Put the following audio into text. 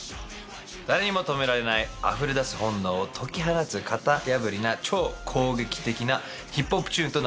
誰にも止められないあふれ出す本能を解き放つ型破りな超攻撃的なＨＩＰＨＯＰチューンとなっております